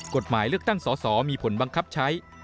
กฎหมายเลือกตั้งสอสอมีผลบังคับใช้